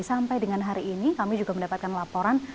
sampai dengan hari ini kami juga mendapatkan laporan